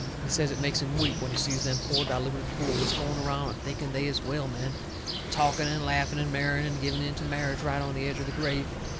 He says it makes him weep when he sees them poor diluted fools going around and thinking they is well men, talking and laughing and marrying and giving in to marriage right on the edge of the grave.